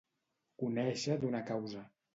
Conèixer d'una causa.